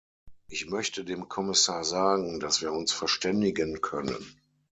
Ich möchte dem Kommissar sagen, dass wir uns verständigen können.